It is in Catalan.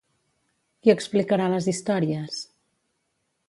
Qui explicarà les històries?